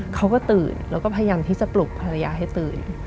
เขาก็ตื่นแล้วก็พยายามที่จะปลุกภรรยาให้ตื่น